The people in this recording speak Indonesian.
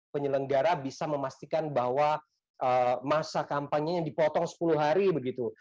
penyelenggara bisa memastikan bahwa masa kampanye yang dipotong sepuluh hari begitu